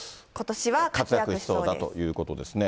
活躍しそうだということですね。